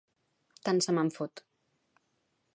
Tant se me'n fot.